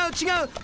違う！